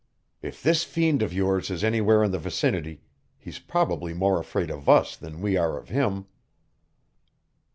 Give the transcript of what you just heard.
"If this fiend of yours is anywhere in the vicinity, he's probably more afraid of us than we are of him."